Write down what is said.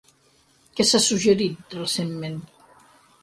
Què s'ha suggerit recentment?